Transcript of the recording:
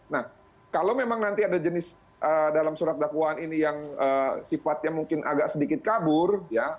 nah kalau memang nanti ada jenis dalam surat dakwaan ini yang sifatnya mungkin agak sedikit kabur ya